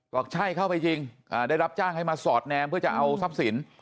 บอกใช่เข้าไปจริงได้รับจ้างให้มาสอดแนมเพื่อจะเอาทรัพย์สิน